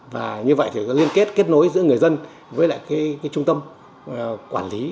và như vậy thì có liên kết kết nối giữa người dân với lại cái trung tâm quản lý